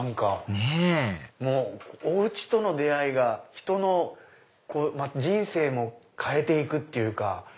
ねぇお家との出会いが人の人生も変えて行くっていうか。